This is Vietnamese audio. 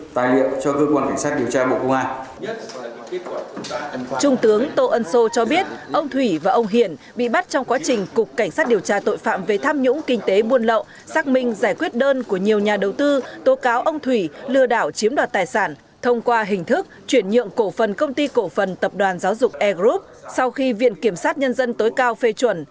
trung tướng tô ân sô cho biết ông thủy và ông hiển bị bắt trong quá trình cục cảnh sát điều tra tội phạm về tham nhũng kinh tế buôn lậu xác minh giải quyết đơn của nhiều nhà đầu tư tố cáo ông thủy lừa đảo chiếm đoạt tài sản thông qua hình thức chuyển nhượng cổ phần công ty cổ phần tập đoàn giáo dục air group sau khi viện kiểm sát nhân dân tối cao phê chuẩn